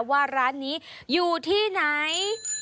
ว่าร้านนี้อยู่ที่ไหน